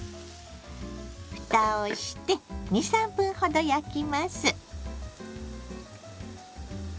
ふたをして２３分ほど焼きます。